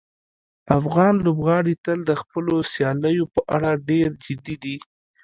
افغان لوبغاړي تل د خپلو سیالیو په اړه ډېر جدي دي.